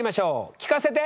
聞かせて。